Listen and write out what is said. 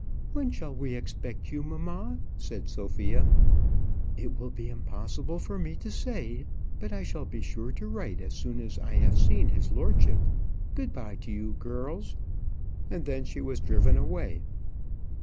"When shall we expect you, mamma?" said Sophia. "It will be impossible for me to say; but I shall be sure to write as soon as I have seen his lordship. Good bye to you, girls." And then she was driven away.